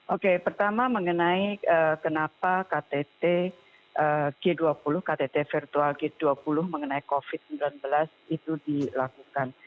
oke pertama mengenai kenapa ktt g dua puluh ktt virtual g dua puluh mengenai covid sembilan belas itu dilakukan